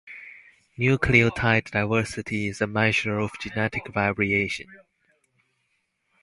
Nucleotide diversity is a measure of genetic variation.